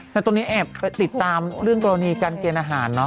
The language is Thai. แต่ตอนนี้แอบไปติดตามเรื่องกรณีการเกณฑ์อาหารเนอ